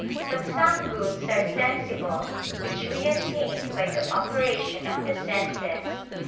But some goods are sensible, which we attain by the operation of the senses.